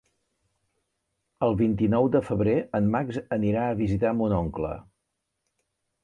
El vint-i-nou de febrer en Max anirà a visitar mon oncle.